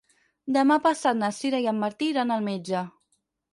Demà passat na Sira i en Martí iran al metge.